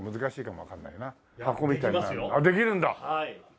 あっできるんだ。